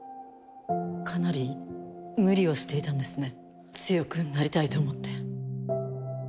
かなり無理をしていたんですね強くなりたいと思って。